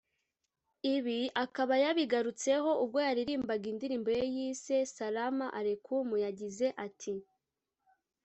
Ibi akaba yabigarutseho ubwo yaririmbaga indirimbo ye yise ‘Saalam Alekum’; yagize ati